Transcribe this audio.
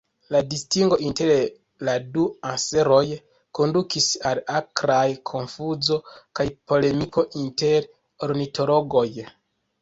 La distingo inter la du anseroj kondukis al akraj konfuzo kaj polemiko inter ornitologoj.